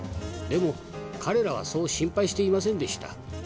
でも彼らはそう心配していませんでした。